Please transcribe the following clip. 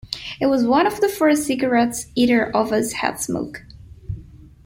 It was one of the first cigarettes either of us had smoked.